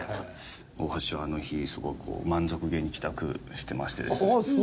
大橋はあの日すごくこう満足げに帰宅していましてですね。